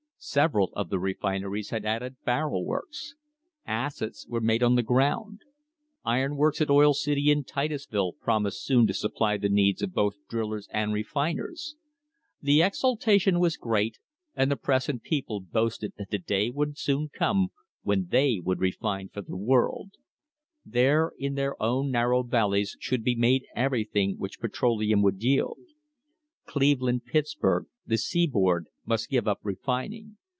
Several of the refineries had added barrel works. Acids were made on the ground. Iron works at Oil City and Titusville promised soon to supply the needs of both drillers and refiners. The exultation was THE HISTORY OF THE STANDARD OIL COMPANY great, and the press and people boasted that the day would soon come when they would refine for the world. There in their own narrow valleys should be made everything which petroleum would yield. Cleveland, Pittsburg— the Seaboard —must give up refining.